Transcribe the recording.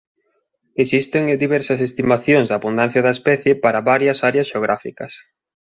Existen diversas estimacións da abundancia da especie para varias áreas xeográficas.